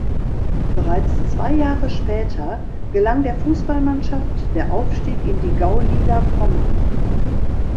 Bereits zwei Jahre später gelang der Fußballmannschaft der Aufstieg in die Gauliga Pommern.